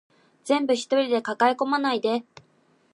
全部一人で抱え込まないで